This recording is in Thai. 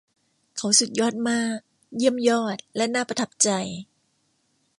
เขาสุดยอดมาก เยี่ยมยอดและน่าประทับใจ